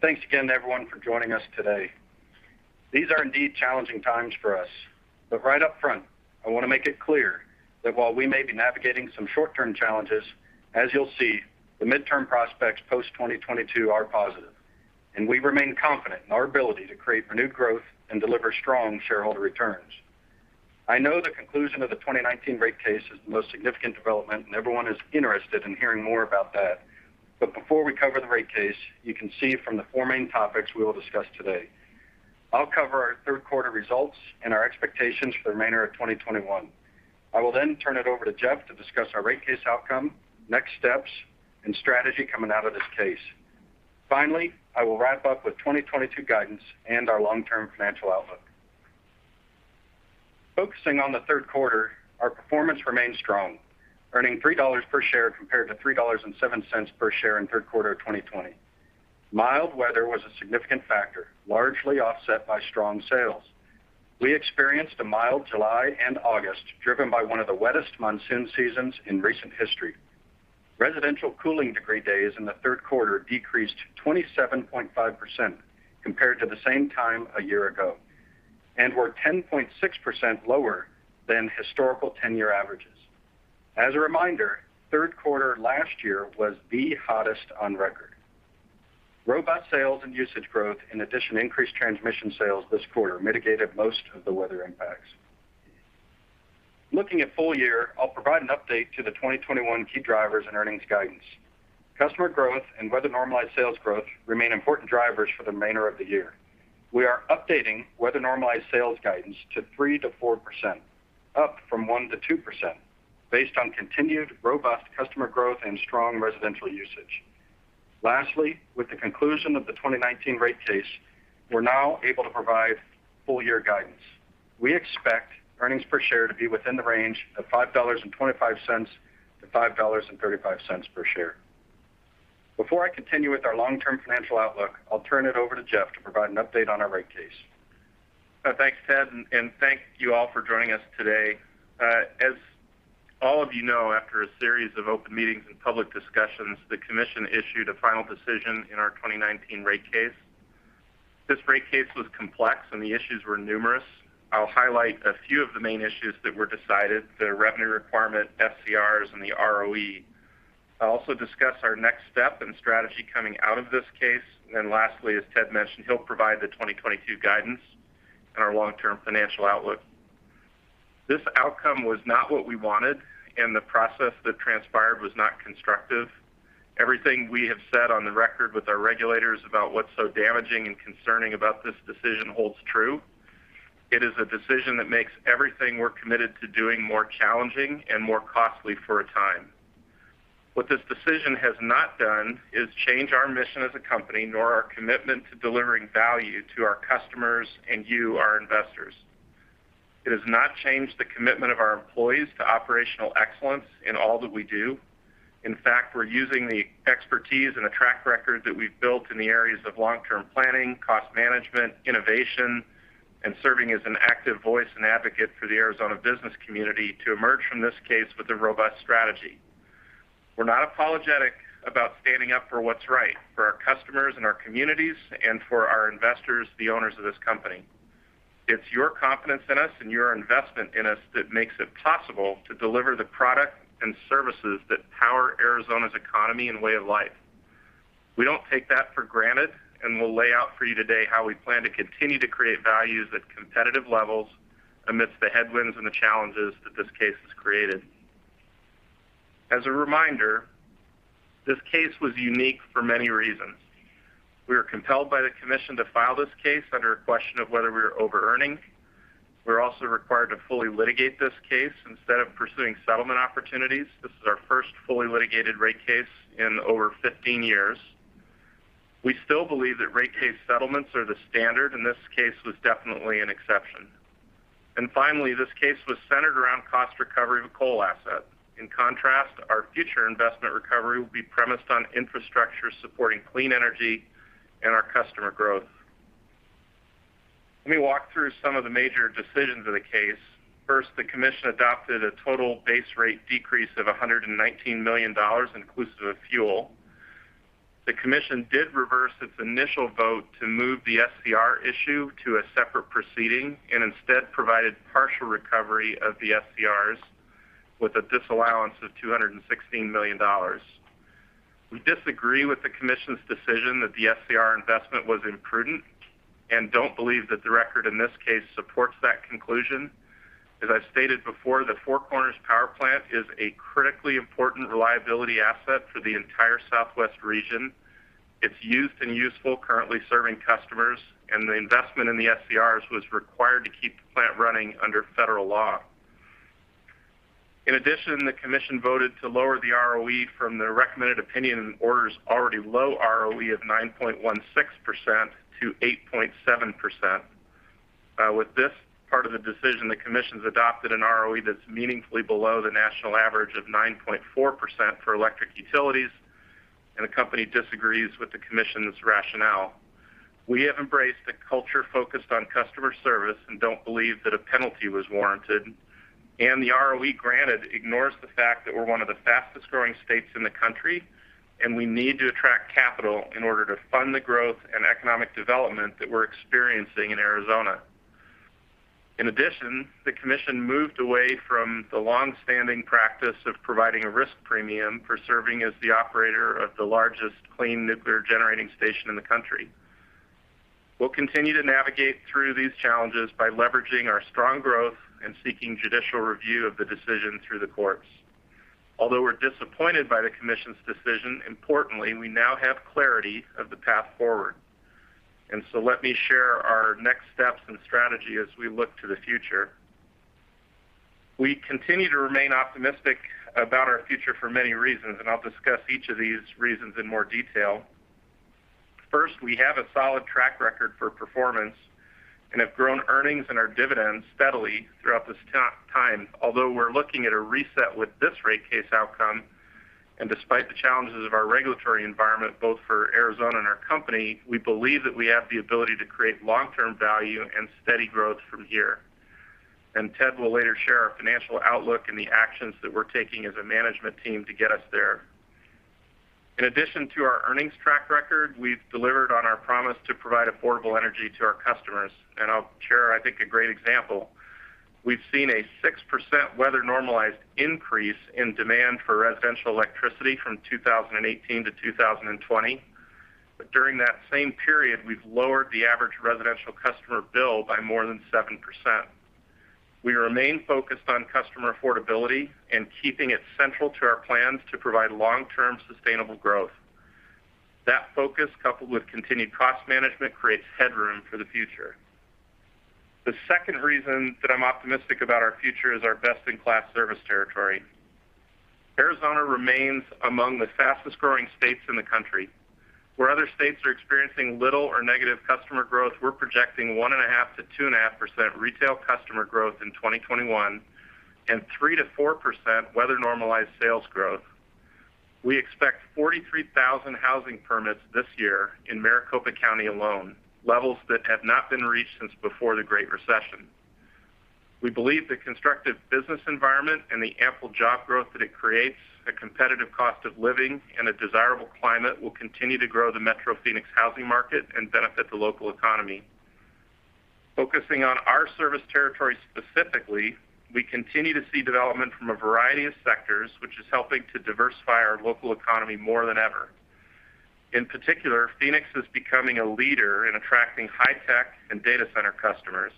Thanks again everyone for joining us today. These are indeed challenging times for us. Right up front, I want to make it clear that while we may be navigating some short-term challenges, as you'll see, the midterm prospects post-2022 are positive. We remain confident in our ability to create renewed growth and deliver strong shareholder returns. I know the conclusion of the 2019 rate case is the most significant development, and everyone is interested in hearing more about that. Before we cover the rate case, you can see from the four main topics we will discuss today. I'll cover our third quarter results and our expectations for the remainder of 2021. I will then turn it over to Jeff to discuss our rate case outcome, next steps, and strategy coming out of this case. Finally, I will wrap up with 2022 guidance and our long-term financial outlook. Focusing on the third quarter, our performance remains strong, earning $3 per share compared to $3.07 per share in third quarter of 2020. Mild weather was a significant factor, largely offset by strong sales. We experienced a mild July and August, driven by one of the wettest monsoon seasons in recent history. Residential cooling degree days in the third quarter decreased 27.5% compared to the same time a year ago and were 10.6% lower than historical 10-year averages. As a reminder, Q3 last year was the hottest on record. Robust sales and usage growth, in addition to increased transmission sales this quarter, mitigated most of the weather impacts. Looking at full year, I'll provide an update to the 2021 key drivers and earnings guidance. Customer growth and weather-normalized sales growth remain important drivers for the remainder of the year. We are updating weather-normalized sales guidance to three percent-four percent, up from one percent-two percent, based on continued robust customer growth and strong residential usage. Lastly, with the conclusion of the 2019 rate case, we're now able to provide full-year guidance. We expect earnings per share to be within the range of $5.25-$5.35 per share. Before I continue with our long-term financial outlook, I'll turn it over to Jeff to provide an update on our rate case. Thanks, Ted, and thank you all for joining us today. As all of you know, after a series of open meetings and public discussions, the commission issued a final decision in our 2019 rate case. This rate case was complex and the issues were numerous. I'll highlight a few of the main issues that were decided, the revenue requirement, SCRs, and the ROE. I'll also discuss our next step and strategy coming out of this case. Lastly, as Ted mentioned, he'll provide the 2022 guidance and our long-term financial outlook. This outcome was not what we wanted and the process that transpired was not constructive. Everything we have said on the record with our regulators about what's so damaging and concerning about this decision holds true. It is a decision that makes everything we're committed to doing more challenging and more costly for a time. What this decision has not done is change our mission as a company, nor our commitment to delivering value to our customers and you, our investors. It has not changed the commitment of our employees to operational excellence in all that we do. In fact, we're using the expertise and the track record that we've built in the areas of long-term planning, cost management, innovation, and serving as an active voice and advocate for the Arizona business community to emerge from this case with a robust strategy. We're not apologetic about standing up for what's right for our customers and our communities and for our investors, the owners of this company. It's your confidence in us and your investment in us that makes it possible to deliver the product and services that power Arizona's economy and way of life. We don't take that for granted and we'll lay out for you today how we plan to continue to create values at competitive levels amidst the headwinds and the challenges that this case has created. As a reminder, this case was unique for many reasons. We were compelled by the commission to file this case under a question of whether we were over-earning. We're also required to fully litigate this case instead of pursuing settlement opportunities. This is our first fully litigated rate case in over 15 years. We still believe that rate case settlements are the standard and this case was definitely an exception. Finally, this case was centered around cost recovery of a coal asset. In contrast, our future investment recovery will be premised on infrastructure supporting clean energy and our customer growth. Let me walk through some of the major decisions of the case. First, the commission adopted a total base rate decrease of $119 million inclusive of fuel. The commission did reverse its initial vote to move the SCR issue to a separate proceeding and instead provided partial recovery of the SCRs with a disallowance of $216 million. We disagree with the commission's decision that the SCR investment was imprudent and don't believe that the record in this case supports that conclusion. As I stated before, the Four Corners Power Plant is a critically important reliability asset for the entire Southwest region. It's used and useful currently serving customers, and the investment in the SCRs was required to keep the plant running under federal law. In addition, the commission voted to lower the ROE from the Recommended Opinion and Order's already low ROE of 9.16% to 8.7%. With this part of the decision, the commission's adopted an ROE that's meaningfully below the national average of 9.4% for electric utilities, and the company disagrees with the commission's rationale. We have embraced a culture focused on customer service and don't believe that a penalty was warranted. The ROE granted ignores the fact that we're one of the fastest-growing states in the country, and we need to attract capital in order to fund the growth and economic development that we're experiencing in Arizona. In addition, the commission moved away from the long-standing practice of providing a risk premium for serving as the operator of the largest clean nuclear generating station in the country. We'll continue to navigate through these challenges by leveraging our strong growth and seeking judicial review of the decision through the courts. Although we're disappointed by the Commission's decision, importantly, we now have clarity of the path forward. Let me share our next steps and strategy as we look to the future. We continue to remain optimistic about our future for many reasons, and I'll discuss each of these reasons in more detail. First, we have a solid track record for performance and have grown earnings and our dividends steadily throughout this time. Although we're looking at a reset with this rate case outcome, and despite the challenges of our regulatory environment, both for Arizona and our company, we believe that we have the ability to create long-term value and steady growth from here. Ted will later share our financial outlook and the actions that we're taking as a management team to get us there. In addition to our earnings track record, we've delivered on our promise to provide affordable energy to our customers. I'll share, I think, a great example. We've seen a six percent weather-normalized increase in demand for residential electricity from 2018 to 2020. During that same period, we've lowered the average residential customer bill by more than seven percent. We remain focused on customer affordability and keeping it central to our plans to provide long-term sustainable growth. That focus, coupled with continued cost management, creates headroom for the future. The second reason that I'm optimistic about our future is our best-in-class service territory. Arizona remains among the fastest-growing states in the country. Where other states are experiencing little or negative customer growth, we're projecting 1.5%-2.5% retail customer growth in 2021 and 3%-4% weather-normalized sales growth. We expect 43,000 housing permits this year in Maricopa County alone, levels that have not been reached since before the Great Recession. We believe the constructive business environment and the ample job growth that it creates, a competitive cost of living and a desirable climate will continue to grow the metro Phoenix housing market and benefit the local economy. Focusing on our service territory specifically, we continue to see development from a variety of sectors, which is helping to diversify our local economy more than ever. In particular, Phoenix is becoming a leader in attracting high-tech and data center customers.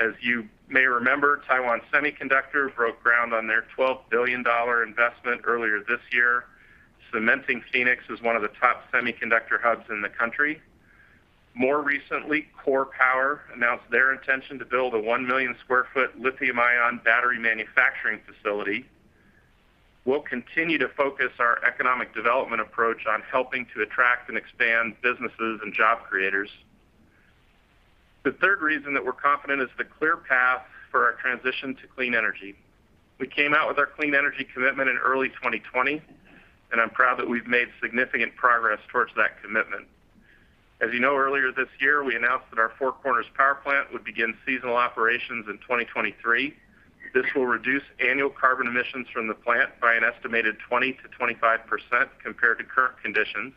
As you may remember, Taiwan Semiconductor broke ground on their $12 billion investment earlier this year, cementing Phoenix as one of the top semiconductor hubs in the country. More recently, KORE Power announced their intention to build a 1 million square feet lithium-ion battery manufacturing facility. We'll continue to focus our economic development approach on helping to attract and expand businesses and job creators. The third reason that we're confident is the clear path for our transition to clean energy. We came out with our clean energy commitment in early 2020, and I'm proud that we've made significant progress towards that commitment. As you know, earlier this year, we announced that our Four Corners Power Plant would begin seasonal operations in 2023. This will reduce annual carbon emissions from the plant by an estimated 20%-25% compared to current conditions.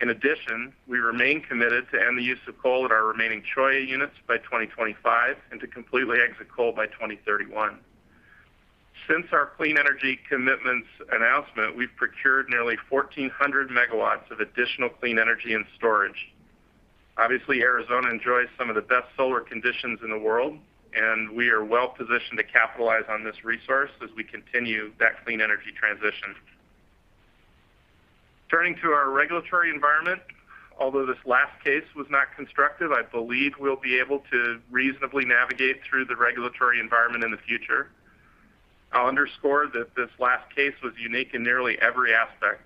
In addition, we remain committed to end the use of coal at our remaining Cholla units by 2025 and to completely exit coal by 2031. Since our clean energy commitments announcement, we've procured nearly 1,400 MW of additional clean energy and storage. Obviously, Arizona enjoys some of the best solar conditions in the world, and we are well-positioned to capitalize on this resource as we continue that clean energy transition. Turning to our regulatory environment, although this last case was not constructive, I believe we'll be able to reasonably navigate through the regulatory environment in the future. I'll underscore that this last case was unique in nearly every aspect.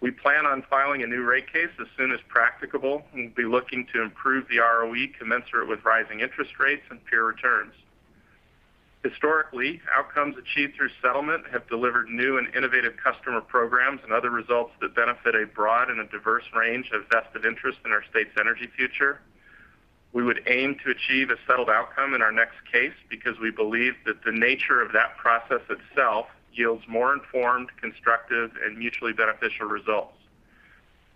We plan on filing a new rate case as soon as practicable, and we'll be looking to improve the ROE commensurate with rising interest rates and peer returns. Historically, outcomes achieved through settlement have delivered new and innovative customer programs and other results that benefit a broad and a diverse range of vested interest in our state's energy future. We would aim to achieve a settled outcome in our next case because we believe that the nature of that process itself yields more informed, constructive, and mutually beneficial results.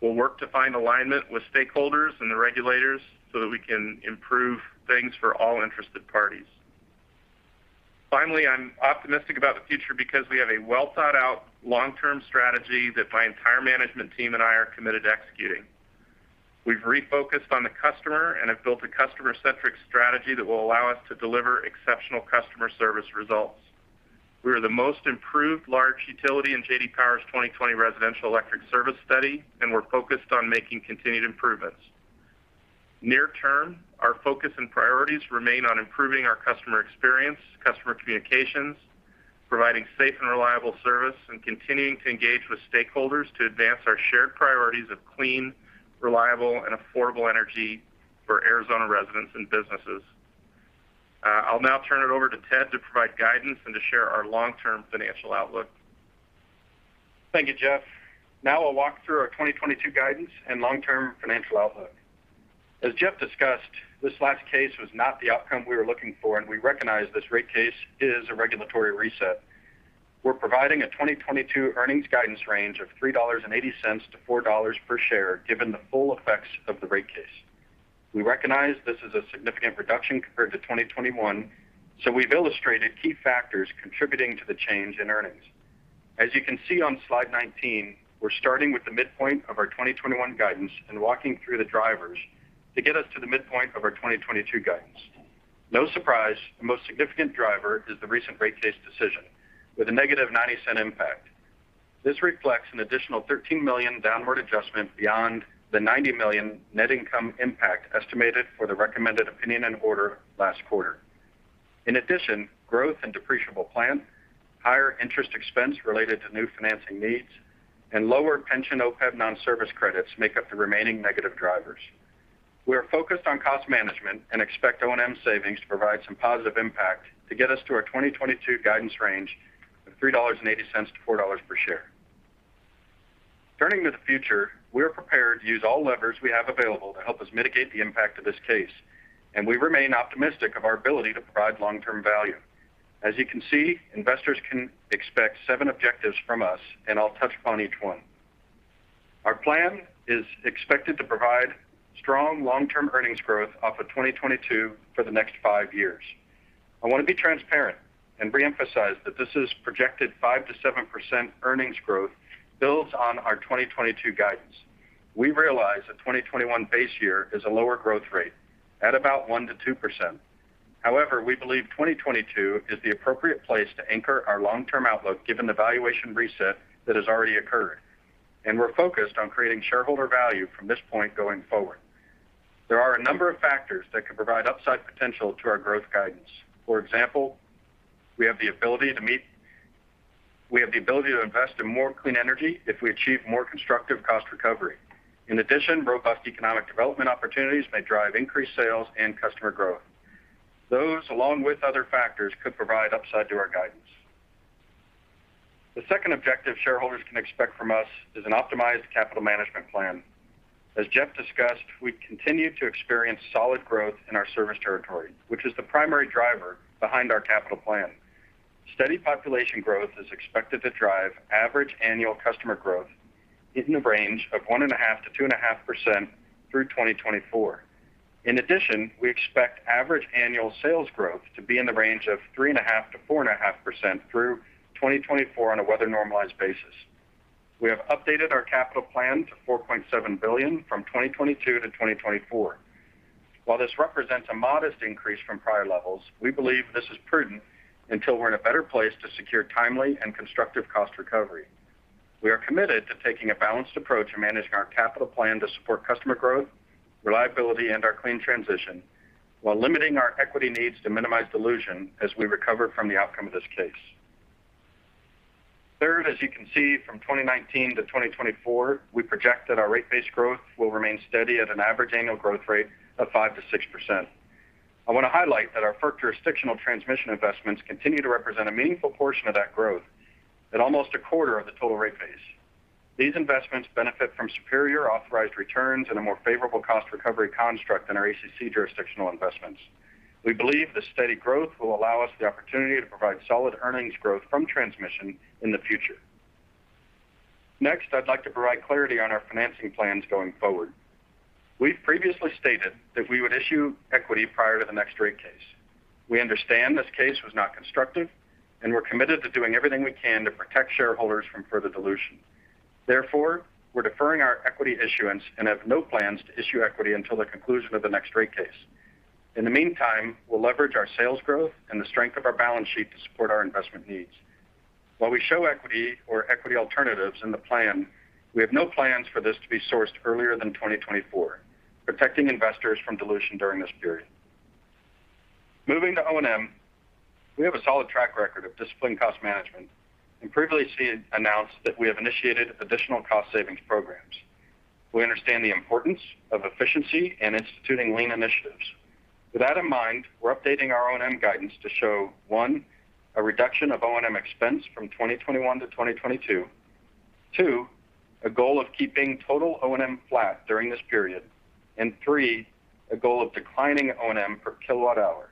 We'll work to find alignment with stakeholders and the regulators so that we can improve things for all interested parties. Finally, I'm optimistic about the future because we have a well-thought-out long-term strategy that my entire management team and I are committed to executing. We've refocused on the customer and have built a customer-centric strategy that will allow us to deliver exceptional customer service results. We are the most improved large utility in J.D. Power's 2020 residential electric service study, and we're focused on making continued improvements. Near term, our focus and priorities remain on improving our customer experience, customer communications, providing safe and reliable service, and continuing to engage with stakeholders to advance our shared priorities of clean, reliable, and affordable energy for Arizona residents and businesses. I'll now turn it over to Ted to provide guidance and to share our long-term financial outlook. Thank you, Jeff. Now I'll walk through our 2022 guidance and long-term financial outlook. As Jeff discussed, this last case was not the outcome we were looking for, and we recognize this rate case is a regulatory reset. We're providing a 2022 earnings guidance range of $3.80-$4 per share, given the full effects of the rate case. We recognize this is a significant reduction compared to 2021, so we've illustrated key factors contributing to the change in earnings. As you can see on slide 19, we're starting with the midpoint of our 2021 guidance and walking through the drivers to get us to the midpoint of our 2022 guidance. No surprise, the most significant driver is the recent rate case decision with a negative $0.90 impact. This reflects an additional $13 million downward adjustment beyond the $90 million net income impact estimated for the Recommended Opinion and Order last quarter. In addition, growth in depreciable plant, higher interest expense related to new financing needs, and lower pension OPEB non-service credits make up the remaining negative drivers. We are focused on cost management and expect O&M savings to provide some positive impact to get us to our 2022 guidance range of $3.80-$4 per share. Turning to the future, we are prepared to use all levers we have available to help us mitigate the impact of this case, and we remain optimistic of our ability to provide long-term value. As you can see, investors can expect seven objectives from us, and I'll touch upon each one. Our plan is expected to provide strong long-term earnings growth off of 2022 for the next five years. I want to be transparent and reemphasize that this is projected five percent-seven percent earnings growth builds on our 2022 guidance. We realize the 2021 base year is a lower growth rate at about one percent-two percent. However, we believe 2022 is the appropriate place to anchor our long-term outlook given the valuation reset that has already occurred. We're focused on creating shareholder value from this point going forward. There are a number of factors that could provide upside potential to our growth guidance. For example, we have the ability to invest in more clean energy if we achieve more constructive cost recovery. In addition, robust economic development opportunities may drive increased sales and customer growth. Those, along with other factors, could provide upside to our guidance. The second objective shareholders can expect from us is an optimized capital management plan. As Jeff discussed, we continue to experience solid growth in our service territory, which is the primary driver behind our capital plan. Steady population growth is expected to drive average annual customer growth in the range of 1.5%-2.5% through 2024. In addition, we expect average annual sales growth to be in the range of 3.5%-4.5% through 2024 on a weather normalized basis. We have updated our capital plan to $4.7 billion from 2022 to 2024. While this represents a modest increase from prior levels, we believe this is prudent until we're in a better place to secure timely and constructive cost recovery. We are committed to taking a balanced approach to managing our capital plan to support customer growth, reliability, and our clean transition while limiting our equity needs to minimize dilution as we recover from the outcome of this case. Third, as you can see, from 2019 to 2024, we project that our rate-based growth will remain steady at an average annual growth rate of five percent-six percent. I want to highlight that our FERC jurisdictional transmission investments continue to represent a meaningful portion of that growth at almost a quarter of the total rate base. These investments benefit from superior authorized returns and a more favorable cost recovery construct than our ACC jurisdictional investments. We believe the steady growth will allow us the opportunity to provide solid earnings growth from transmission in the future. Next, I'd like to provide clarity on our financing plans going forward. We've previously stated that we would issue equity prior to the next rate case. We understand this case was not constructive, and we're committed to doing everything we can to protect shareholders from further dilution. Therefore, we're deferring our equity issuance and have no plans to issue equity until the conclusion of the next rate case. In the meantime, we'll leverage our sales growth and the strength of our balance sheet to support our investment needs. While we show equity or equity alternatives in the plan, we have no plans for this to be sourced earlier than 2024, protecting investors from dilution during this period. Moving to O&M, we have a solid track record of disciplined cost management and previously announced that we have initiated additional cost savings programs. We understand the importance of efficiency and instituting lean initiatives. With that in mind, we're updating our O&M guidance to show. One, a reduction of O&M expense from 2021 to 2022. Two, a goal of keeping total O&M flat during this period. And three, a goal of declining O&M per kilowatt hour.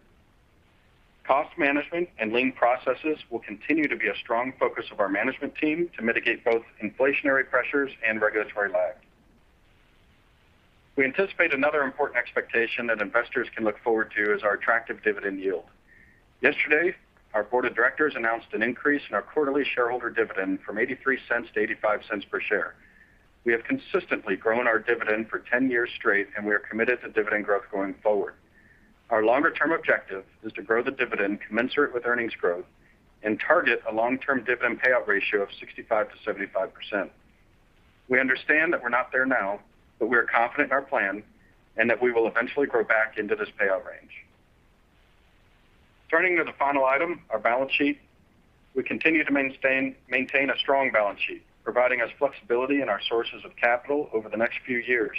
Cost management and lean processes will continue to be a strong focus of our management team to mitigate both inflationary pressures and regulatory lag. We anticipate another important expectation that investors can look forward to is our attractive dividend yield. Yesterday, our board of directors announced an increase in our quarterly shareholder dividend from $0.83-$0.85 per share. We have consistently grown our dividend for 10 years straight, and we are committed to dividend growth going forward. Our longer-term objective is to grow the dividend commensurate with earnings growth and target a long-term dividend payout ratio of 65%-75%. We understand that we're not there now, but we are confident in our plan and that we will eventually grow back into this payout range. Turning to the final item, our balance sheet. We continue to maintain a strong balance sheet, providing us flexibility in our sources of capital over the next few years.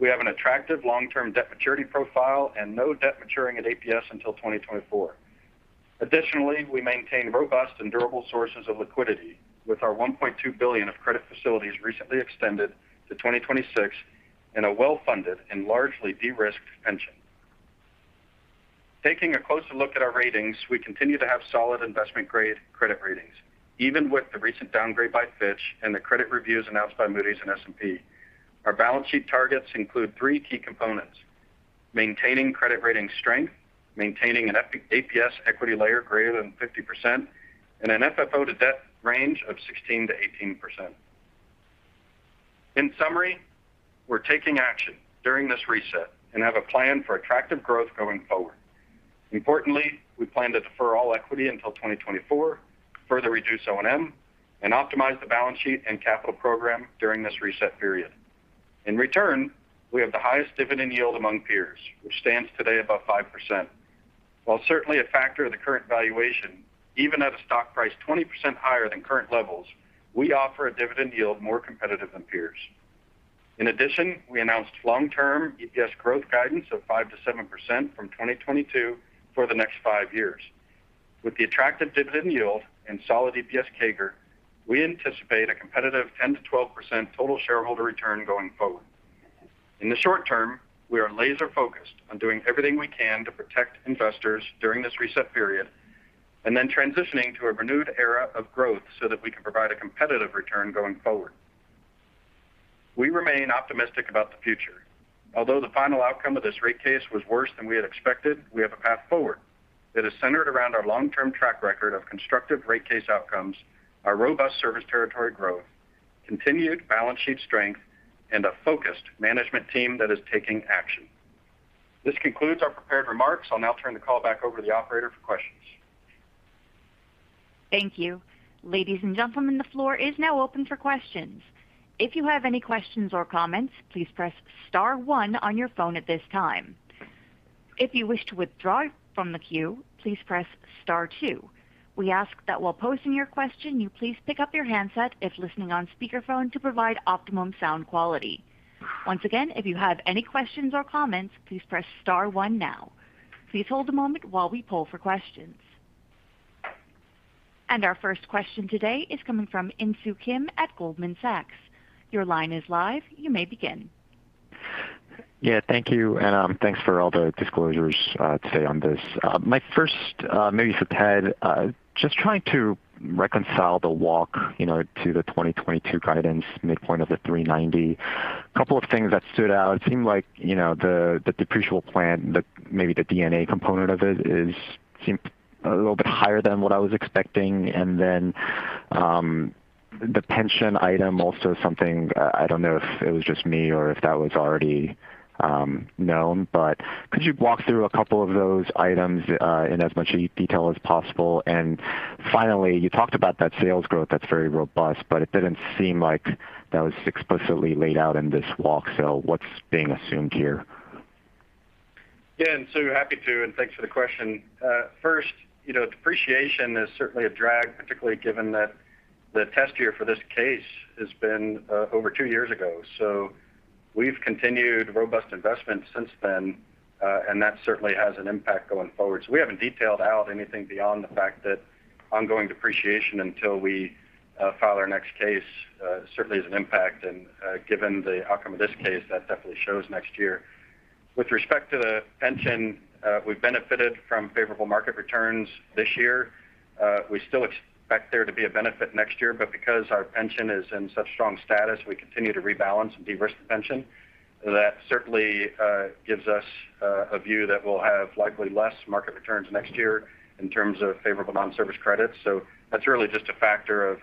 We have an attractive long-term debt maturity profile and no debt maturing at APS until 2024. Additionally, we maintain robust and durable sources of liquidity with our $1.2 billion of credit facilities recently extended to 2026 and a well-funded and largely de-risked pension. Taking a closer look at our ratings, we continue to have solid investment-grade credit ratings, even with the recent downgrade by Fitch and the credit reviews announced by Moody's and S&P. Our balance sheet targets include three key components, maintaining credit rating strength, maintaining a parent-APS equity layer greater than 50%, and an FFO to debt range of 16%-18%. In summary, we're taking action during this reset and have a plan for attractive growth going forward. Importantly, we plan to defer all equity until 2024, further reduce O&M, and optimize the balance sheet and capital program during this reset period. In return, we have the highest dividend yield among peers, which stands today above five percent. While certainly a factor in the current valuation, even at a stock price 20% higher than current levels, we offer a dividend yield more competitive than peers. In addition, we announced long-term EPS growth guidance of five percent-seven percent from 2022 for the next five years. With the attractive dividend yield and solid EPS CAGR, we anticipate a competitive 10%-12% total shareholder return going forward. In the short term, we are laser-focused on doing everything we can to protect investors during this reset period, and then transitioning to a renewed era of growth so that we can provide a competitive return going forward. We remain optimistic about the future. Although the final outcome of this rate case was worse than we had expected, we have a path forward that is centered around our long-term track record of constructive rate case outcomes, our robust service territory growth, continued balance sheet strength, and a focused management team that is taking action. This concludes our prepared remarks. I'll now turn the call back over to the operator for questions. Thank you. Ladies and gentlemen, the floor is now open for questions. If you have any questions or comments, please press star one on your phone at this time. If you wish to withdraw from the queue, please press star two. We ask that while posing your question, you please pick up your handset if listening on speakerphone to provide optimum sound quality. Once again, if you have any questions or comments, please press star one now. Please hold a moment while we poll for questions. Our first question today is coming from Insoo Kim at Goldman Sachs. Your line is live, you may begin. Yeah, thank you. Thanks for all the disclosures today on this. My first, maybe for Ted, just trying to reconcile the walk, you know, to the 2022 guidance midpoint of the $3.90. A couple of things that stood out. It seemed like, you know, the depreciable plant, maybe the D&A component of it seemed a little bit higher than what I was expecting. Then, the pension item also something, I don't know if it was just me or if that was already known. Could you walk through a couple of those items in as much detail as possible? Finally, you talked about that sales growth that's very robust, but it didn't seem like that was explicitly laid out in this walk. What's being assumed here? Yeah. Happy to, and thanks for the question. First, you know, depreciation is certainly a drag, particularly given that the test year for this case has been over two years ago. We've continued robust investment since then, and that certainly has an impact going forward. We haven't detailed out anything beyond the fact that ongoing depreciation until we file our next case certainly has an impact. Given the outcome of this case, that definitely shows next year. With respect to the pension, we've benefited from favorable market returns this year. We still expect there to be a benefit next year, but because our pension is in such strong status, we continue to rebalance and de-risk the pension. That certainly gives us a view that we'll have likely less market returns next year in terms of favorable non-service credits. That's really just a factor of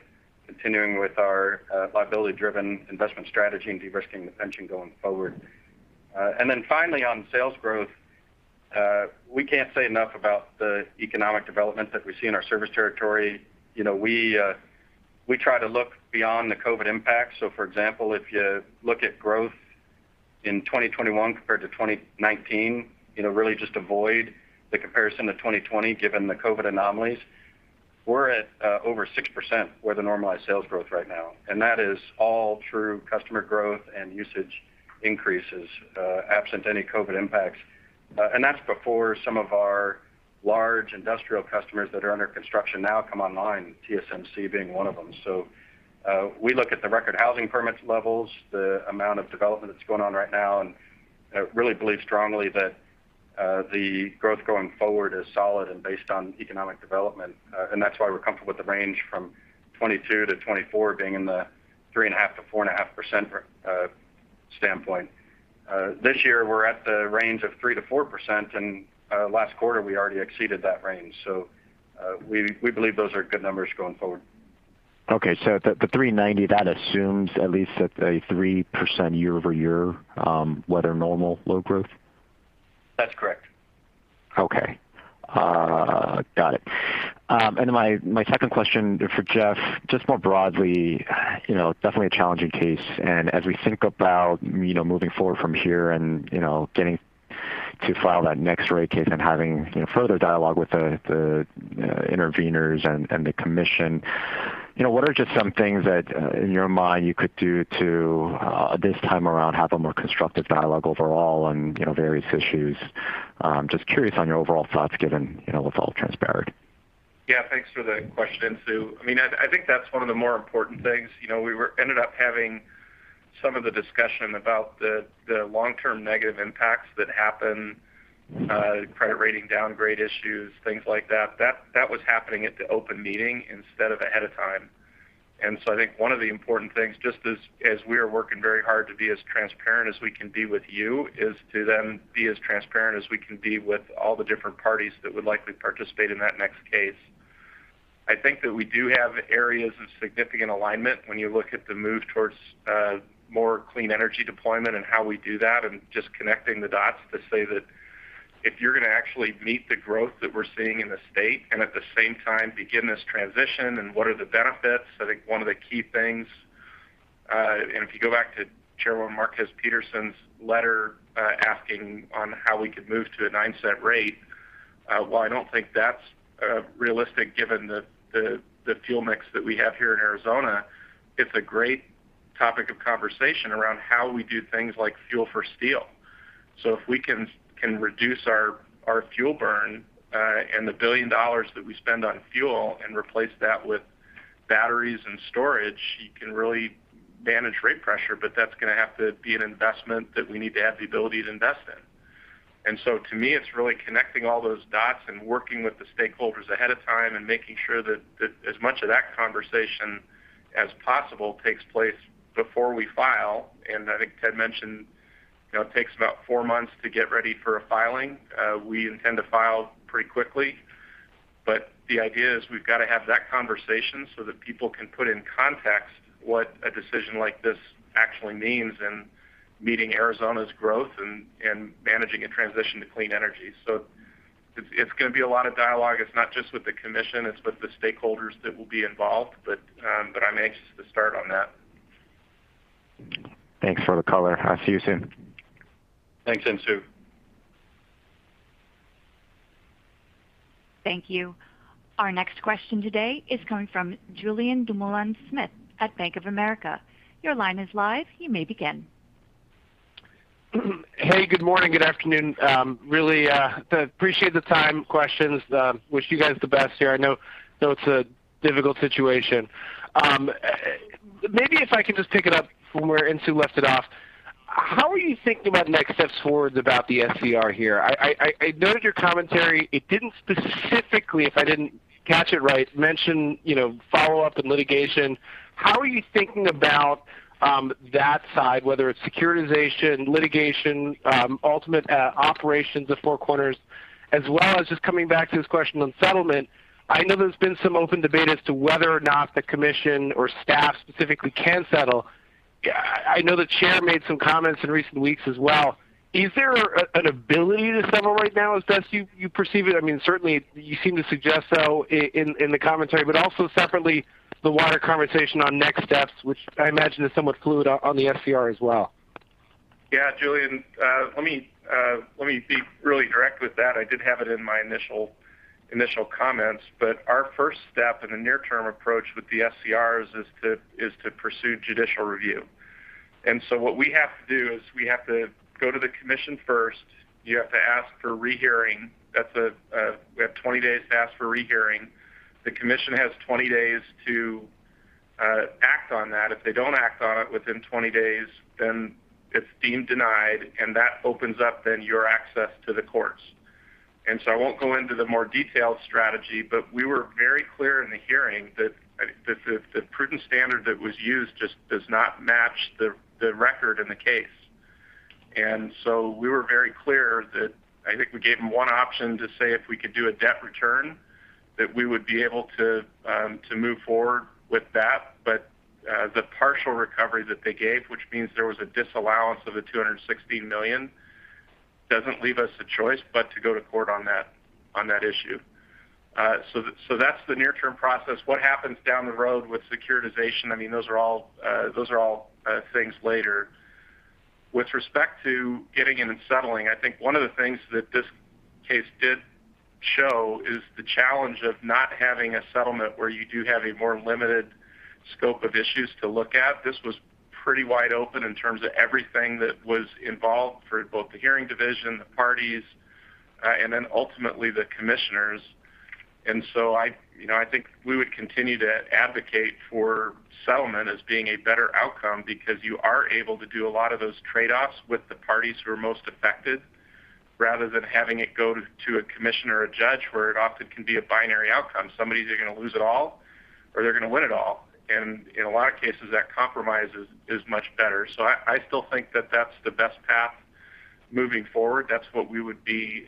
continuing with our liability-driven investment strategy and de-risking the pension going forward. Finally on sales growth, we can't say enough about the economic development that we see in our service territory. You know, we try to look beyond the COVID impact. For example, if you look at growth in 2021 compared to 2019, you know, really just avoid the comparison to 2020 given the COVID anomalies. We're at over six percent with the normalized sales growth right now, and that is all through customer growth and usage increases, absent any COVID impacts. That's before some of our large industrial customers that are under construction now come online, TSMC being one of them. We look at the record housing permits levels, the amount of development that's going on right now, and really believe strongly that the growth going forward is solid and based on economic development. That's why we're comfortable with the range from 2022 to 2024 being in the 3.5%-4.5% standpoint. This year we're at the range of three percent-four percent, and last quarter we already exceeded that range. We believe those are good numbers going forward. Okay. The $3.90, that assumes at least a three percent year-over-year weather-normal load growth? That's correct. Okay. Got it. My second question for Jeff, just more broadly, you know, definitely a challenging case. As we think about, you know, moving forward from here and, you know, getting to file that next rate case and having, you know, further dialogue with the intervenors and the commission. You know, what are just some things that in your mind you could do to this time around, have a more constructive dialogue overall on, you know, the various issues? Just curious on your overall thoughts given, you know, what's all transpired. Yeah. Thanks for the question, Insoo. I mean, I think that's one of the more important things. You know, we ended up having some of the discussion about the long-term negative impacts that happen, credit rating downgrade issues, things like that. That was happening at the open meeting instead of ahead of time. I think one of the important things, just as we are working very hard to be as transparent as we can be with you, is to then be as transparent as we can be with all the different parties that would likely participate in that next case. I think that we do have areas of significant alignment when you look at the move towards more clean energy deployment and how we do that and just connecting the dots to say that if you're going to actually meet the growth that we're seeing in the state and at the same time begin this transition and what are the benefits. I think one of the key things, and if you go back to Chairwoman Márquez Peterson's letter, asking on how we could move to a $0.09 rate, while I don't think that's realistic given the fuel mix that we have here in Arizona, it's a great topic of conversation around how we do things like fuel for steel. If we can reduce our fuel burn and the $1 billion that we spend on fuel and replace that with batteries and storage, you can really manage rate pressure. That's going to have to be an investment that we need to have the ability to invest in. To me, it's really connecting all those dots and working with the stakeholders ahead of time and making sure that as much of that conversation as possible takes place before we file. I think Ted mentioned, you know, it takes about four months to get ready for a filing. We intend to file pretty quickly. The idea is we've got to have that conversation so that people can put in context what a decision like this actually means in meeting Arizona's growth and managing a transition to clean energy. It's going to be a lot of dialogue. It's not just with the commission, it's with the stakeholders that will be involved. I'm anxious to start on that. Thanks for the color. I'll see you soon. Thanks, Insoo. Thank you. Our next question today is coming from Julien Dumoulin-Smith at Bank of America. Your line is live. You may begin. Hey, good morning. Good afternoon. Really appreciate the time, questions. Wish you guys the best here. I know it's a difficult situation. Maybe if I can just pick it up from where Insoo left it off. How are you thinking about next steps forward about the SCR here? I noted your commentary. It didn't specifically, if I didn't catch it right, mention, you know, follow-up and litigation. How are you thinking about that side, whether it's securitization, litigation, ultimate operations of Four Corners, as well as just coming back to this question on settlement. I know there's been some open debate as to whether or not the commission or staff specifically can settle. I know the chair made some comments in recent weeks as well. Is there an ability to settle right now as best you perceive it? I mean, certainly you seem to suggest so in the commentary, but also separately, the wider conversation on next steps, which I imagine is somewhat fluid on the SCR as well. Yeah. Julian, let me be really direct with that. I did have it in my initial comments, but our first step in a near-term approach with the SCRs is to pursue judicial review. What we have to do is we have to go to the commission first. You have to ask for rehearing. We have 20 days to ask for rehearing. The commission has 20 days to act on that. If they don't act on it within 20 days, then it's deemed denied, and that opens up then your access to the courts. I won't go into the more detailed strategy, but we were very clear in the hearing that the prudence standard that was used just does not match the record in the case. We were very clear that I think we gave them one option to say if we could do a debt return, that we would be able to to move forward with that. But the partial recovery that they gave, which means there was a disallowance of the $260 million, doesn't leave us a choice but to go to court on that, on that issue. That's the near-term process. What happens down the road with securitization, I mean, those are all things later. With respect to getting in and settling, I think one of the things that this case did show is the challenge of not having a settlement where you do have a more limited scope of issues to look at. This was pretty wide open in terms of everything that was involved for both the hearing division, the parties, and then ultimately the commissioners. I, you know, I think we would continue to advocate for settlement as being a better outcome because you are able to do a lot of those trade-offs with the parties who are most affected, rather than having it go to a commissioner or judge, where it often can be a binary outcome. Somebody's either going to lose it all or they're going to win it all. In a lot of cases, that compromise is much better. I still think that that's the best path moving forward. That's what we would be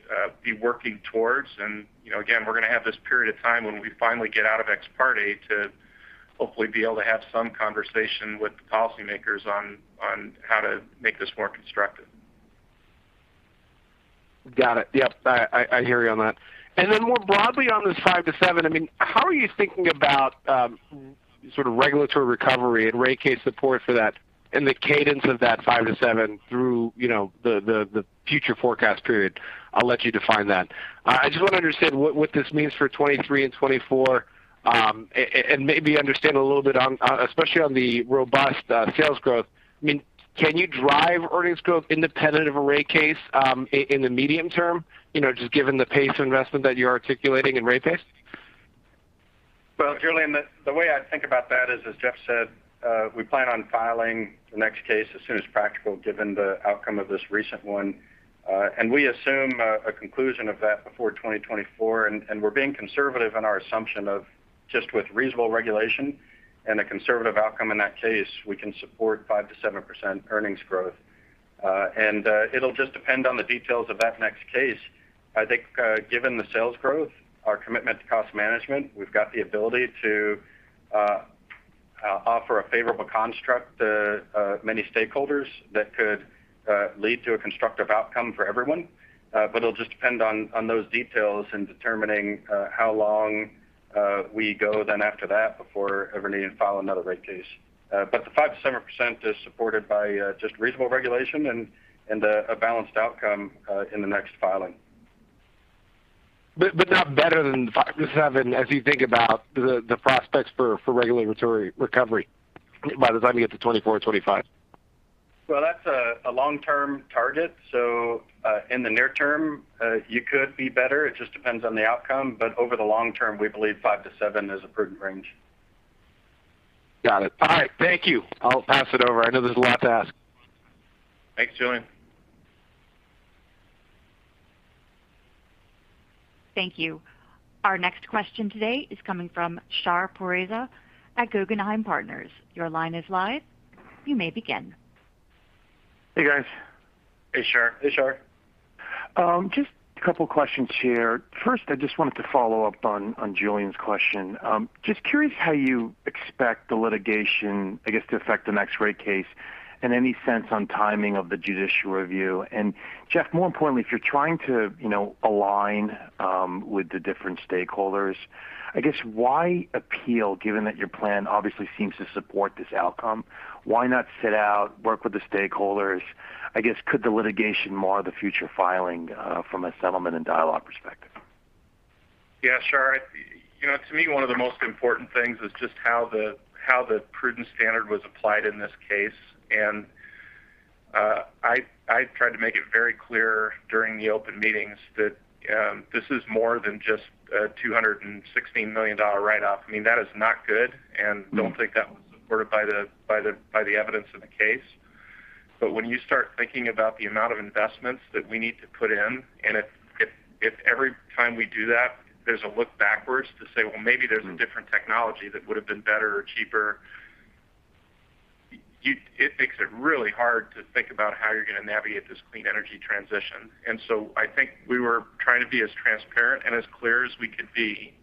working towards. You know, again, we're going to have this period of time when we finally get out of ex parte to hopefully be able to have some conversation with the policymakers on how to make this more constructive. Got it. Yep. I hear you on that. More broadly on this five-seven, I mean, how are you thinking about sort of regulatory recovery and rate case support for that and the cadence of that five-seven through the future forecast period? I'll let you define that. I just want to understand what this means for 2023 and 2024 and maybe understand a little bit on especially on the robust sales growth. I mean, can you drive earnings growth independent of a rate case in the medium term, you know, just given the pace of investment that you're articulating in rate case? Well, Julian, the way I think about that is, as Jeff said, we plan on filing the next case as soon as practical given the outcome of this recent one. We assume a conclusion of that before 2024. We're being conservative in our assumption of just with reasonable regulation and a conservative outcome in that case, we can support five percent-seven percent earnings growth. It'll just depend on the details of that next case. I think, given the sales growth, our commitment to cost management, we've got the ability to offer a favorable construct to many stakeholders that could lead to a constructive outcome for everyone. It'll just depend on those details in determining how long we go then after that before ever needing to file another rate case. The five percent-seven percent is supported by just reasonable regulation and a balanced outcome in the next filing. Not better than five-seven as you think about the prospects for regulatory recovery by the time you get to 2024 or 2025. Well, that's a long-term target. In the near term, you could be better. It just depends on the outcome. Over the long term, we believe five-seven is a prudent range. Got it. All right. Thank you. I'll pass it over. I know there's a lot to ask. Thanks, Julien. Thank you. Our next question today is coming from Shar Pourreza at Guggenheim Partners. Your line is live. You may begin. Hey, guys. Hey, Shar. Hey, Shar. Just a couple questions here. First, I just wanted to follow up on Julien's question. Just curious how you expect the litigation, I guess, to affect the next rate case and any sense on timing of the judicial review. Jeff, more importantly, if you're trying to, you know, align with the different stakeholders, I guess why appeal given that your plan obviously seems to support this outcome? Why not sit out, work with the stakeholders? I guess could the litigation mar the future filing from a settlement and dialogue perspective? Yeah, Shar. You know, to me, one of the most important things is just how the prudent standard was applied in this case. I tried to make it very clear during the open meetings that this is more than just a $216 million write-off. I mean, that is not good, and I don't think that was supported by the evidence in the case. When you start thinking about the amount of investments that we need to put in, and if every time we do that, there's a look backwards to say, "Well, maybe there's a different technology that would have been better or cheaper," it makes it really hard to think about how you're going to navigate this clean energy transition. I think we were trying to be as transparent and as clear as we could be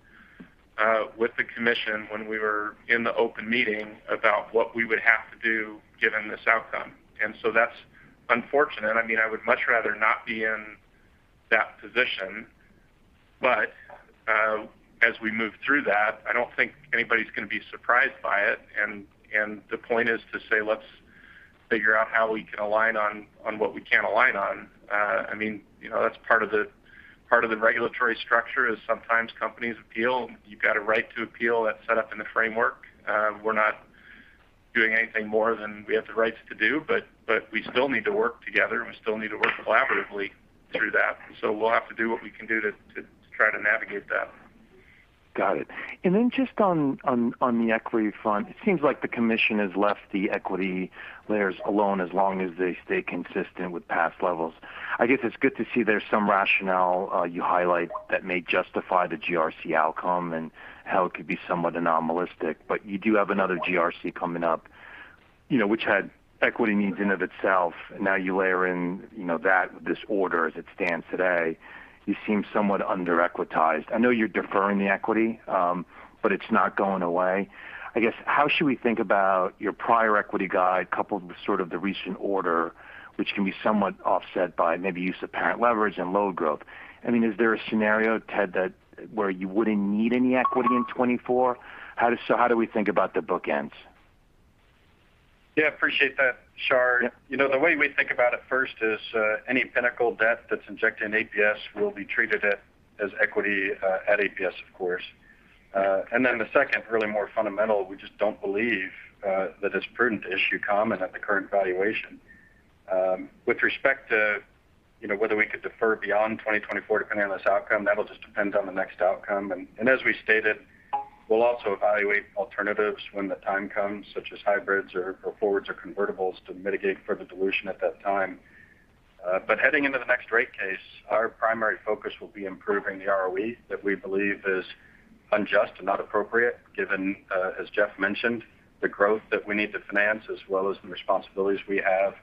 with the commission when we were in the open meeting about what we would have to do given this outcome. That's unfortunate. I mean, I would much rather not be in that position. As we move through that, I don't think anybody's going to be surprised by it. The point is to say, let's figure out how we can align on what we can't align on. I mean, you know, that's part of the regulatory structure is sometimes companies appeal. You've got a right to appeal. That's set up in the framework. We're not doing anything more than we have the rights to do, but we still need to work together. We still need to work collaboratively through that. We'll have to do what we can do to try to navigate that. Got it. Just on the equity front, it seems like the commission has left the equity layers alone as long as they stay consistent with past levels. I guess it's good to see there's some rationale you highlight that may justify the GRC outcome and how it could be somewhat anomalous. You do have another GRC coming up, you know, which had equity needs in and of itself. Now you layer in, you know, that with this order as it stands today. You seem somewhat under-equitized. I know you're deferring the equity, but it's not going away. I guess, how should we think about your prior equity guide coupled with sort of the recent order, which can be somewhat offset by maybe use of parent leverage and load growth? I mean, is there a scenario, Ted, where you wouldn't need any equity in 2024? How do we think about the bookends? Yeah, appreciate that, Shar. You know, the way we think about it first is, any Pinnacle debt that's injected in APS will be treated as equity at APS, of course. Then the second really more fundamental, we just don't believe that it's prudent to issue common at the current valuation. With respect to, you know, whether we could defer beyond 2024 depending on this outcome, that'll just depend on the next outcome. As we stated, we'll also evaluate alternatives when the time comes, such as hybrids or forwards or convertibles to mitigate further dilution at that time. Heading into the next rate case, our primary focus will be improving the ROE that we believe is unjust and not appropriate given, as Jeff mentioned, the growth that we need to finance as well as the responsibilities we have,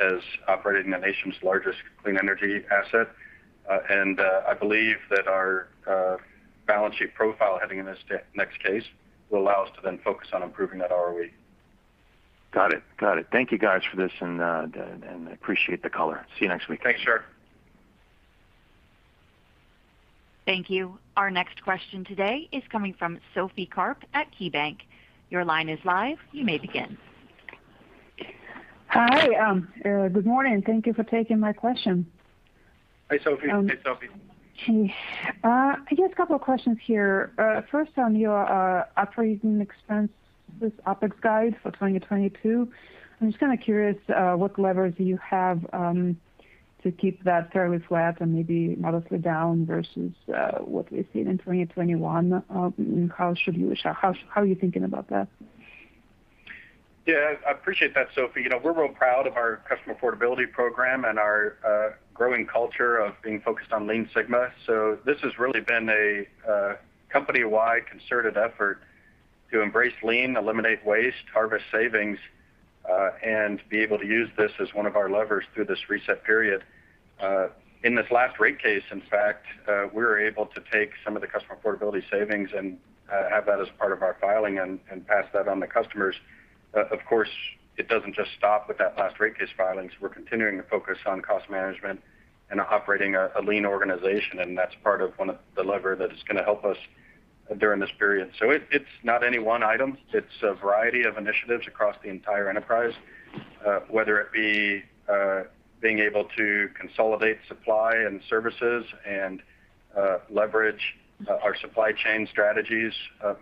as operating the nation's largest clean energy asset. I believe that our balance sheet profile heading in this next case will allow us to then focus on improving that ROE. Got it. Thank you guys for this and I appreciate the color. See you next week. Thanks, sure. Thank you. Our next question today is coming from Sophie Karp at KeyBanc. Your line is live. You may begin. Hi. Good morning. Thank you for taking my question. Hi, Sophie. Hey, Sophie. Okay. I guess a couple of questions here. First on your operating expense, this OpEx guide for 2022. I'm just kind of curious what levers you have to keep that fairly flat and maybe modestly down versus what we've seen in 2021. How are you thinking about that? Yeah, I appreciate that, Sophie. You know, we're real proud of our customer affordability program and our growing culture of being focused on Lean Six Sigma. This has really been a company-wide concerted effort to embrace lean, eliminate waste, harvest savings, and be able to use this as one of our levers through this reset period. In this last rate case, in fact, we were able to take some of the customer affordability savings and have that as part of our filing and pass that on to customers. Of course, it doesn't just stop with that last rate case filings. We're continuing to focus on cost management and operating a lean organization, and that's part of one of the levers that is going to help us during this period. It's not any one item. It's a variety of initiatives across the entire enterprise, whether it be, being able to consolidate supply and services and, leverage our supply chain strategies,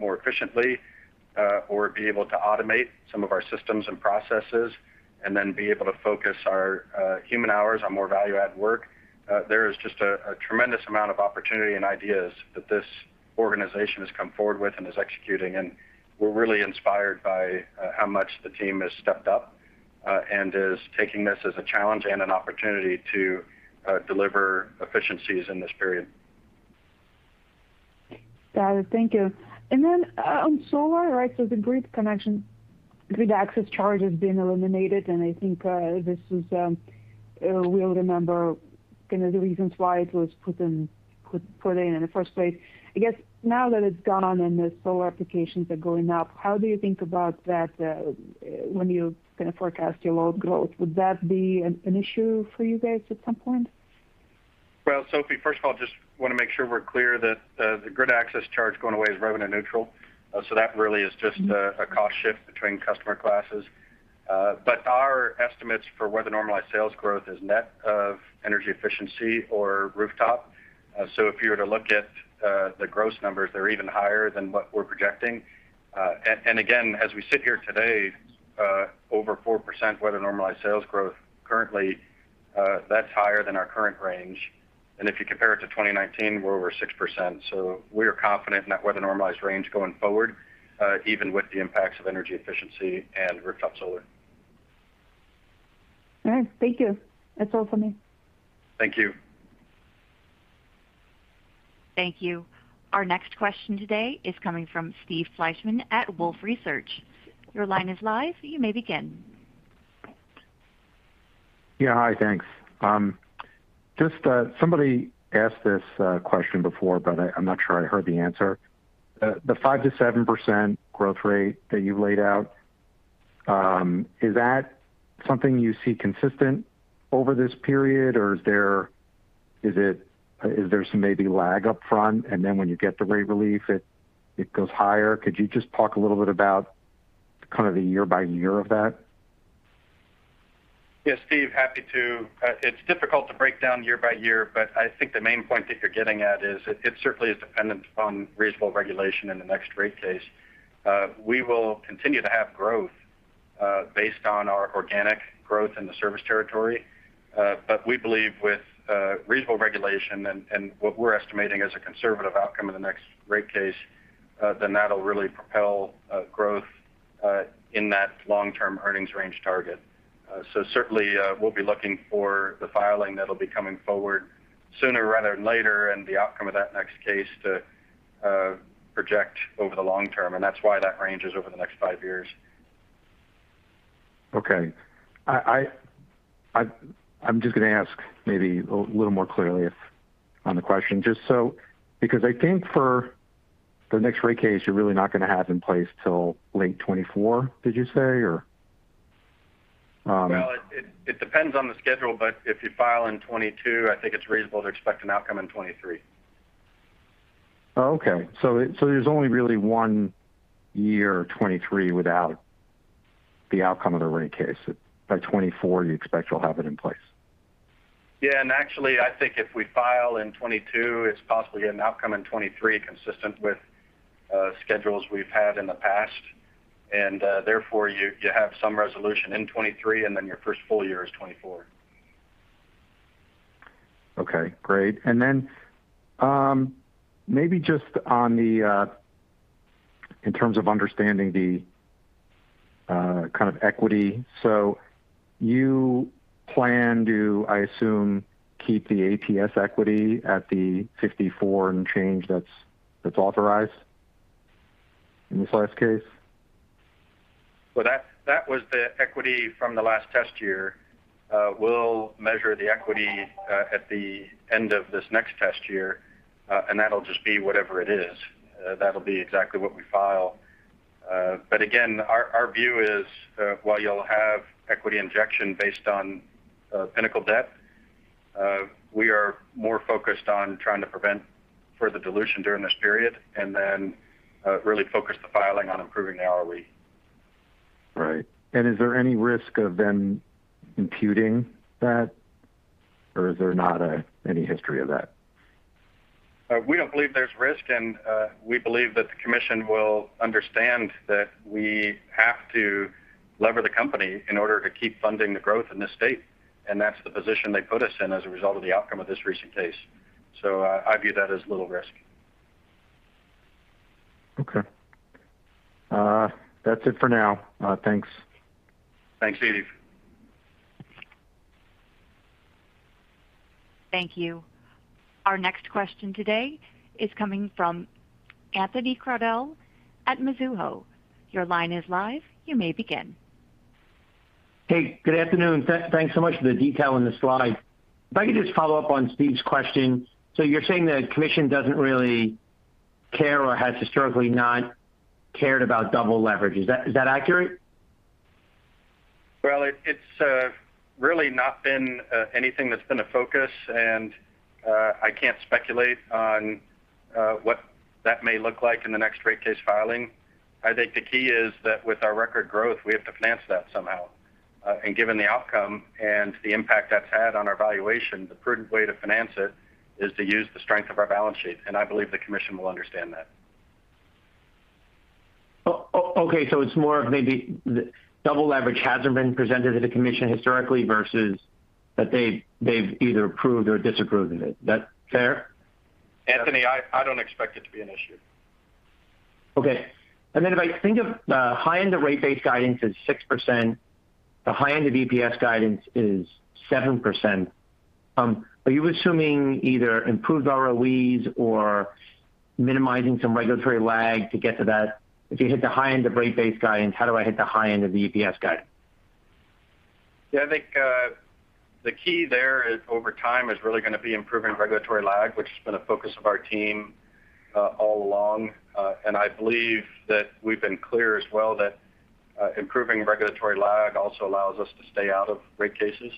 more efficiently, or be able to automate some of our systems and processes and then be able to focus our, human hours on more value add work. There is just a tremendous amount of opportunity and ideas that this organization has come forward with and is executing. We're really inspired by, how much the team has stepped up, and is taking this as a challenge and an opportunity to, deliver efficiencies in this period. Got it. Thank you. On solar, right? The Grid Access Charge has been eliminated, and I think this is, we all remember kind of the reasons why it was put in in the first place. I guess now that it's gone and the solar applications are going up, how do you think about that when you kind of forecast your load growth? Would that be an issue for you guys at some point? Well, Sophie, first of all, just want to make sure we're clear that the Grid Access Charge going away is revenue neutral. That really is just a cost shift between customer classes. Our estimates for weather normalized sales growth is net of energy efficiency or rooftop. If you were to look at the gross numbers, they're even higher than what we're projecting. Again, as we sit here today, over four percent weather normalized sales growth currently, that's higher than our current range. If you compare it to 2019, we're over six percent. We are confident net weather normalized range going forward, even with the impacts of energy efficiency and rooftop solar. All right. Thank you. That's all for me. Thank you. Thank you. Our next question today is coming from Steve Fleishman at Wolfe Research. Your line is live. You may begin. Yeah. Hi. Thanks. Just, somebody asked this question before, but I'm not sure I heard the answer. The 5%-7% growth rate that you laid out, is that something you see consistent over this period, or is there some maybe lag up front, and then when you get the rate relief, it goes higher? Could you just talk a little bit about kind of the year by year of that? Yes, Steve. Happy to. It's difficult to break down year by year, but I think the main point that you're getting at is it certainly is dependent upon reasonable regulation in the next rate case. We will continue to have growth based on our organic growth in the service territory. But we believe with reasonable regulation and what we're estimating as a conservative outcome of the next rate case, then that'll really propel growth in that long-term earnings range target. So certainly, we'll be looking for the filing that'll be coming forward sooner rather than later and the outcome of that next case to project over the long term. That's why that range is over the next five years. Okay. I'm just going to ask maybe a little more clearly on the question, just so, because I think for the next rate case, you're really not going to have in place till late 2024, did you say, or Well, it depends on the schedule, but if you file in 2022, I think it's reasonable to expect an outcome in 2023. Oh, okay. There's only really one year, 2023, without the outcome of the rate case. By 2024, you expect you'll have it in place. Yeah. Actually, I think if we file in 2022, it's possibly an outcome in 2023 consistent with schedules we've had in the past. Therefore, you have some resolution in 2023, and then your first full year is 2024. Okay, great. Maybe just on the, in terms of understanding the kind of equity. You plan to, I assume, keep the APS equity at the 54 and change that's authorized in this last case? Well, that was the equity from the last test year. We'll measure the equity at the end of this next test year, and that'll just be whatever it is. That'll be exactly what we file. Again, our view is, while you'll have equity injection based on Pinnacle debt, we are more focused on trying to prevent further dilution during this period and then really focus the filing on improving the ROE. Right. Is there any risk of them imputing that, or is there not, any history of that? We don't believe there's risk, and we believe that the commission will understand that we have to leverage the company in order to keep funding the growth in the state. That's the position they put us in as a result of the outcome of this recent case. I view that as little risk. Okay. That's it for now. Thanks. Thanks, Steve. Thank you. Our next question today is coming from Anthony Crowdell at Mizuho. Your line is live. You may begin. Hey, good afternoon. Thanks so much for the detail on the slide. If I could just follow up on Steve's question. You're saying the commission doesn't really care or has historically not cared about double leverage. Is that accurate? Well, it's really not been anything that's been a focus, and I can't speculate on what that may look like in the next rate case filing. I think the key is that with our record growth, we have to finance that somehow. Given the outcome and the impact that's had on our valuation, the prudent way to finance it is to use the strength of our balance sheet, and I believe the commission will understand that. Okay, it's more of maybe the double leverage hasn't been presented to the commission historically versus that they've either approved or disapproved of it. Is that fair? Anthony, I don't expect it to be an issue. Okay. If I think of, high-end rate-based guidance is six percent. The high-end EPS guidance is seven percent. Are you assuming either improved ROEs or minimizing some regulatory lag to get to that? If you hit the high end of rate-based guidance, how do I hit the high end of the EPS guidance? Yeah, I think the key there is over time is really gonna be improving regulatory lag, which has been a focus of our team all along. I believe that we've been clear as well that improving regulatory lag also allows us to stay out of rate cases.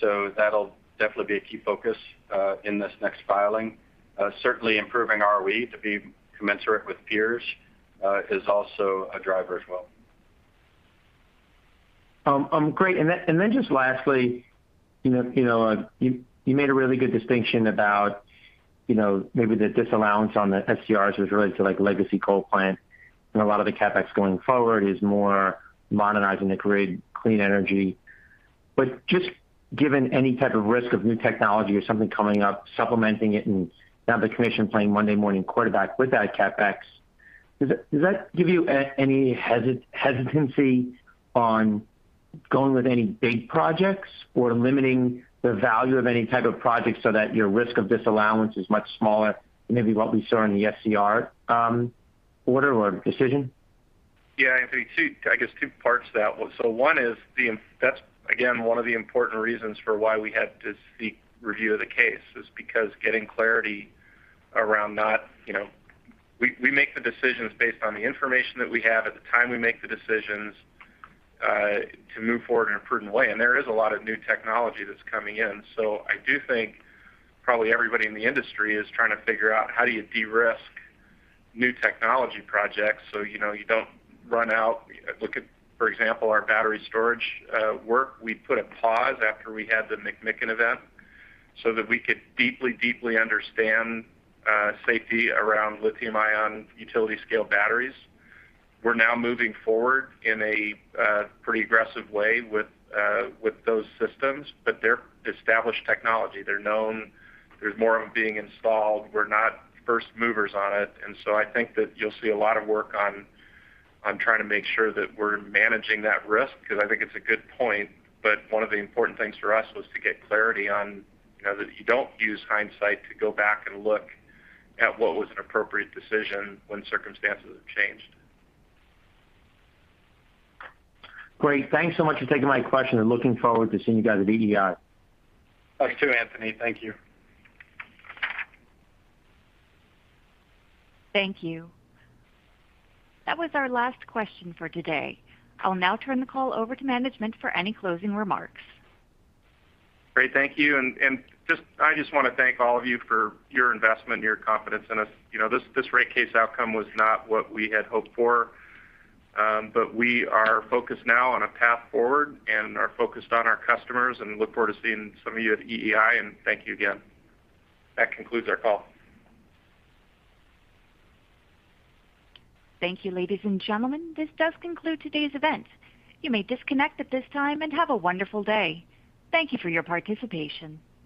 That'll definitely be a key focus in this next filing. Certainly improving ROE to be commensurate with peers is also a driver as well. Great. Just lastly, you know, you made a really good distinction about, you know, maybe the disallowance on the SCRs as it relates to, like, legacy coal plant and a lot of the CapEx going forward is more modernizing the grid clean energy. But just given any type of risk of new technology or something coming up, supplementing it and have the commission playing Monday morning quarterback with that CapEx, does that give you any hesitancy on going with any big projects or limiting the value of any type of projects so that your risk of disallowance is much smaller than maybe what we saw in the SCR order or decision? Yeah. I think two parts to that one. One is that's again one of the important reasons for why we had to seek review of the case is because getting clarity around not, you know, we make the decisions based on the information that we have at the time we make the decisions to move forward in a prudent way. There is a lot of new technology that's coming in. I do think probably everybody in the industry is trying to figure out how do you de-risk new technology projects so, you know, you don't run out. Look at, for example, our battery storage work. We put a pause after we had the McMicken event so that we could deeply understand safety around lithium-ion utility scale batteries. We're now moving forward in a pretty aggressive way with those systems, but they're established technology. They're known. There's more of them being installed. We're not first movers on it. I think that you'll see a lot of work on trying to make sure that we're managing that risk because I think it's a good point. One of the important things for us was to get clarity on, you know, that you don't use hindsight to go back and look at what was an appropriate decision when circumstances have changed. Great. Thanks so much for taking my question and looking forward to seeing you guys at EEI. Us too, Anthony. Thank you. Thank you. That was our last question for today. I'll now turn the call over to management for any closing remarks. Great. Thank you. I just want to thank all of you for your investment and your confidence in us. You know, this rate case outcome was not what we had hoped for, but we are focused now on a path forward and are focused on our customers and look forward to seeing some of you at EEI. Thank you again. That concludes our call. Thank you, ladies and gentlemen. This does conclude today's event. You may disconnect at this time, and have a wonderful day. Thank you for your participation.